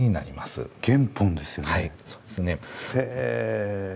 はいそうですね。へえ。